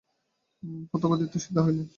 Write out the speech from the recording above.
প্রতাপাদিত্য সিধা হইলেন।